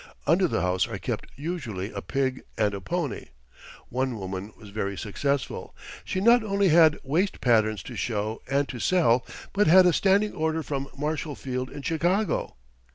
Under the house are kept usually a pig and a pony. One woman was very successful she not only had waist patterns to show and to sell, but had a standing order from Marshall Field, in Chicago.